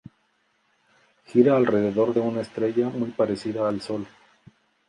Gira alrededor de una estrella muy parecida al Sol.